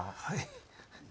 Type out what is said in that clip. はい。